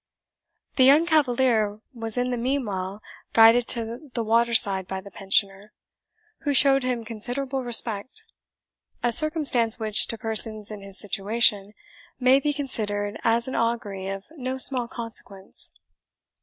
The young cavalier was in the meanwhile guided to the water side by the Pensioner, who showed him considerable respect; a circumstance which, to persons in his situation, may be considered as an augury of no small consequence.